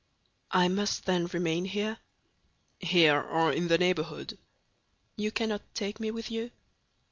"I must, then, remain here?" "Here, or in the neighborhood." "You cannot take me with you?"